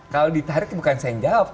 kalau ditarik bukan saya yang jawab